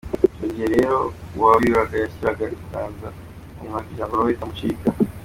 Icyo gihe rero uwayuraga yashyiraga ikiganza ku munwa kugirango roho itamucika.